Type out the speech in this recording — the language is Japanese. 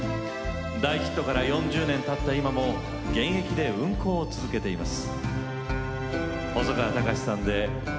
大ヒットから４０年たった今も現役で運航を続けています。